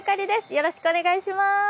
よろしくお願いします。